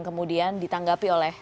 kemudian ditanggapi oleh